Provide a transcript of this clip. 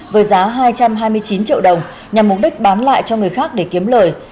với giá hai trăm hai mươi chín triệu đồng nhằm mục đích bán lại cho người khác để kiếm lời